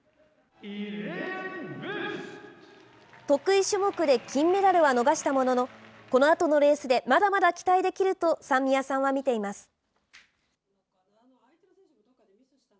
得意種目で金メダルは逃したものの、このあとのレースでまだまだ期待できると、三宮さんは見ています。